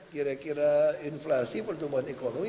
kira kira inflasi pertumbuhan ekonomi